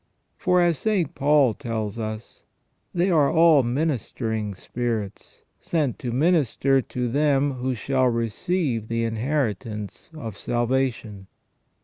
For, as St. Paul tells us, "they are all ministering spirits, sent to minister to them who shall receive the inheritance of salvation